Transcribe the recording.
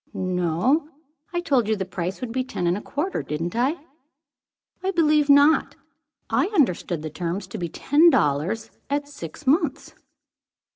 "No. I told you the price would be ten and a quarter, didn't I?" "I believe not. I understood the terms to be ten dollars, at six months."